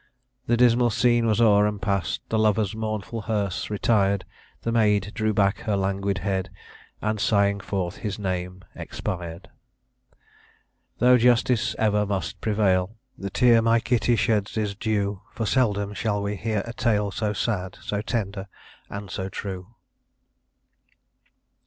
The dismal scene was o'er and past, The lover's mournful hearse retired; The maid drew back her languid head, And, sighing forth his name, expired. Though justice ever must prevail, The tear my Kitty sheds is due; For seldom shall we hear a tale So sad, so tender, and so true.